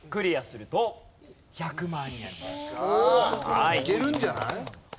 おお！いけるんじゃない？